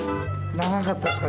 長かったですか？